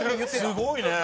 すごいね！